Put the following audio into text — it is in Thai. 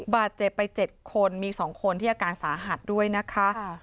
บาดเจ็บไป๗คนมี๒คนที่อาการสาหัสด้วยนะคะ